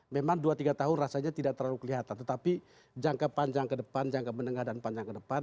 memang dua tiga tahun rasanya tidak terlalu kelihatan tetapi jangka panjang ke depan jangka menengah dan panjang ke depan